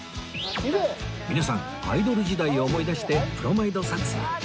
皆さんアイドル時代を思い出してプロマイド撮影